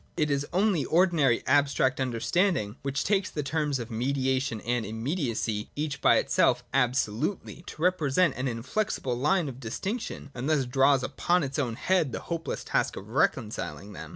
It is only ordinary abstract understanding which takes the terms of mediation and immediacy, each by itself absolutely, to represent an inflexible line of distinction, and thus draws upon its own head the hopeless task of reconciling them.